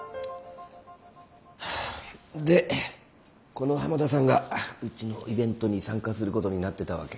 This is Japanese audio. この浜田さんがうちのイベントに参加することになってたわけ？